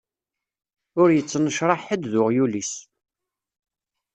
Ur yettnecṛaḥ ḥedd d uɣyul-is.